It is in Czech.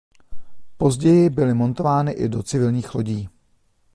Později byly montovány i do civilních lodí.